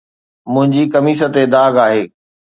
منهنجي قميص تي هڪ داغ آهي